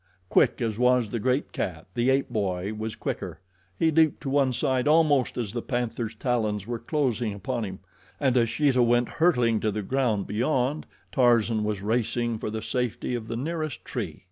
Quick as was the great cat, the ape boy was quicker. He leaped to one side almost as the panther's talons were closing upon him, and as Sheeta went hurtling to the ground beyond, Tarzan was racing for the safety of the nearest tree.